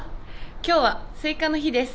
今日はスイカの日です。